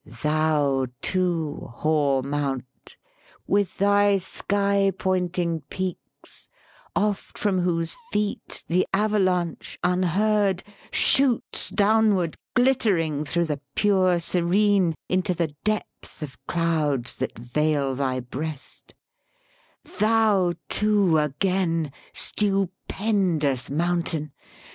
Thou too, hoar Mount! with thy sky pointing peaks, Oft from whose feet the avalanche, unheard, Shoots downward, glittering through the pure serene Into the depth of clouds that veil thy breast Thou too again stupendous Mountain!